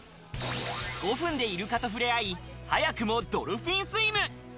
５分でイルカと触れ合い、早くもドルフィンスイム。